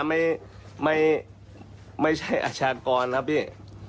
ไม่ใช่อาชาติกรครับพี่